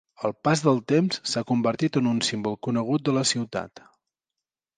Al pas del temps s'ha convertit en un símbol conegut de la ciutat.